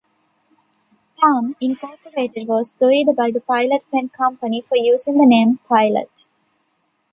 Palm, Incorporated was sued by the Pilot pen company for using the name "Pilot".